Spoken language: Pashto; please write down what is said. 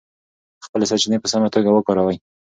خپلې سرچینې په سمه توګه وکاروئ.